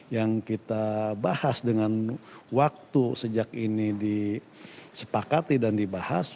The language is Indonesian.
yang kita bahas dengan waktu sejak ini disepakati dan dibahas